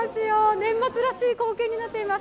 年末らしい光景になっています。